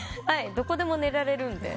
どこでも寝られるんで。